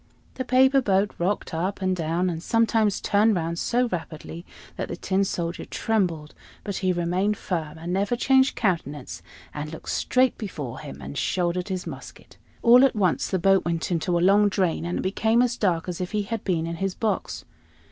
The paper boat rocked up and down, and sometimes turned round so rapidly that the Tin Soldier trembled; but he remained firm, and never changed countenance, and looked straight before him, and shouldered his musket. All at once the boat went into a long drain, and it became as dark as if he had been in his box.